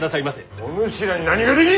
お主らに何ができる！